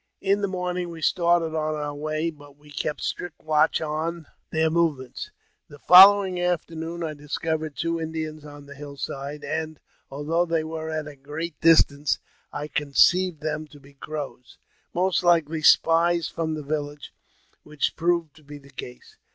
In the morning we started on our way, but we kept strict watch on their movements. The following afternoon I discovered two Indians on the hill side, and, although they were at a great distance, I conceived them to be Crows, most likely spies from the village, which proved to be the case.